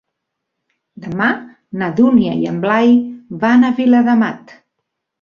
Demà na Dúnia i en Blai van a Viladamat.